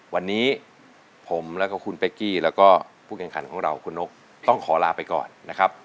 วันนี้ผมแล้วก็คุณเป๊กกี้แล้วก็ผู้แข่งขันของเราคุณนกต้องขอลาไปก่อนนะครับ